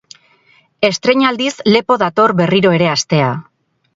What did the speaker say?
Estreinaldiz lepo dator berriro ere astea.